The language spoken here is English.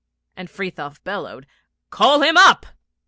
and Frithiof bellowed, 'Call him up.'